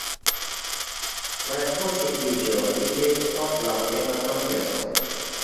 Reprusi-iĝo iĝis post la Viena kongreso.